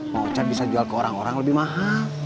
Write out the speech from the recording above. maucat bisa jual ke orang orang lebih mahal